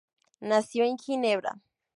Nació en Ginebra.